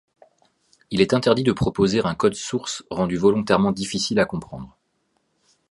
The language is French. Il est interdit de proposer un code source rendu volontairement difficile à comprendre.